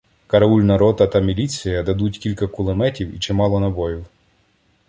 Караульна рота та міліція "дадуть" кілька кулеметів і чимало набоїв.